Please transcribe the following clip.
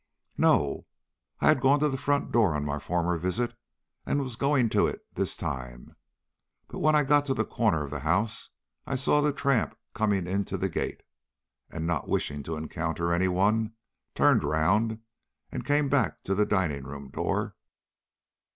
"No. I had gone to the front door on my former visit, and was going to it this time; but when I got to the corner of the house I saw the tramp coming into the gate, and not wishing to encounter any one, turned round and came back to the dining room door."